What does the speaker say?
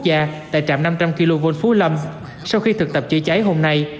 gia tại trạm năm trăm linh kv phú lâm sau khi thực tập chữa cháy hôm nay